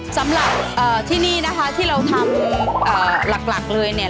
สำหรับที่นี่นะคะที่เราทำหลักเลยเนี่ย